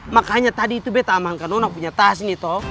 makanya tadi itu betta amankan nona punya tas ini tau